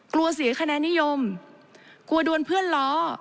กลัวเสียคะแนนนิยมกลัวโดนเพื่อนล้อ